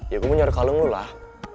ya gue mau nyuruh kalung lu lah